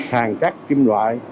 hàng cắt kim loại